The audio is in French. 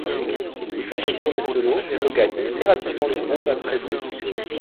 Il fait une tournée solo, mais regagne assez rapidement le groupe après celle-ci.